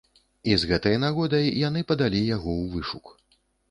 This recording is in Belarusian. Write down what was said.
І з гэтай нагодай яны падалі яго ў вышук.